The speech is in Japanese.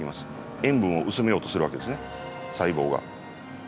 塩分を薄めようとするわけですね細胞が。